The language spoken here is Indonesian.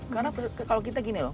karena kalau kita gini loh